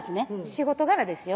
仕事柄ですよ